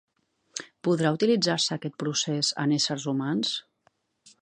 Podrà utilitzar-se aquest procés en éssers humans?